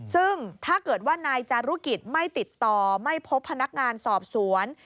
ซึ่งถ้าเกิดว่านายจารุกิจไม่ติดต่อไม่พบพนักงานสอบสวน